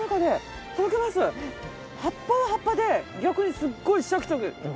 葉っぱは葉っぱで逆にすごいシャキシャキ。